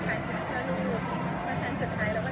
อย่างที่บอกมาถือตลอดจมลักใจนะค่ะ